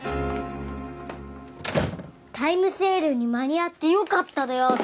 タイムセールに間に合ってよかったである。